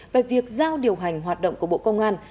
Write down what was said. về việc giao điều hành hoạt động của bộ công an